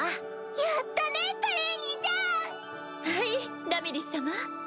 やったねトレイニーちゃん！はいラミリス様。